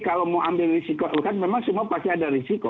kalau mau ambil risiko kan memang semua pasti ada risiko